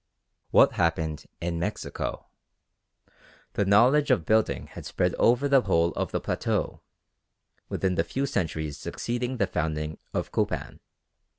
What happened in Mexico? The knowledge of building had spread over the whole of the plateau within the few centuries succeeding the founding of Copan.